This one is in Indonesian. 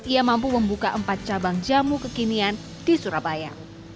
ia mampu membuka empat cabang jamu kekinian di surabaya